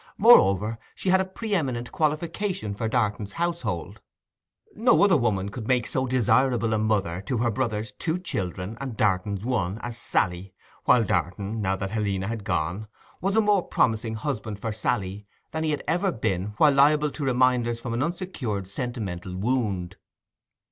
Moreover, she had a pre eminent qualification for Darton's household; no other woman could make so desirable a mother to her brother's two children and Darton's one as Sally—while Darton, now that Helena had gone, was a more promising husband for Sally than he had ever been when liable to reminders from an uncured sentimental wound.